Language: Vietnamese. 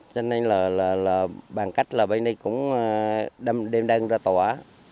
cho nên là bàn cách là bên đây cũng đem ra tòa